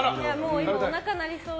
今、おなかが鳴りそうで。